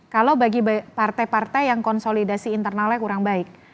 kalau bagi partai partai yang konsolidasi internalnya kurang baik